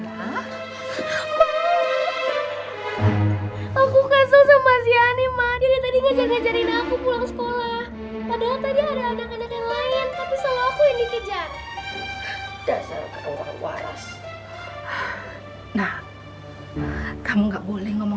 ada anak anak yang lain tapi selalu aku yang dikejar dasar waras nah kamu nggak boleh ngomong